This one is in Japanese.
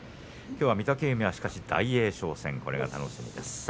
きょうは御嶽海はしかし大栄翔戦楽しみです。